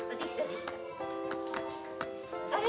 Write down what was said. あれ？